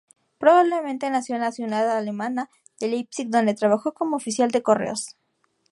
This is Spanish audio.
Probablemente nació en la ciudad alemana de Leipzig, donde trabajó como oficial de correos.